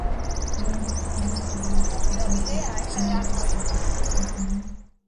Ular esa seni, aqldan ozib qoldimikan, deb gumon qilishadi... ko‘rdingmi